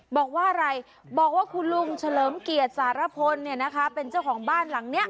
บอกว่าอะไรบอกว่าคุณลุงเฉลิมเกียรติสารพลเป็นเจ้าของบ้านหลังนี้